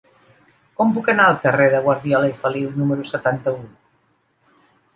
Com puc anar al carrer de Guardiola i Feliu número setanta-u?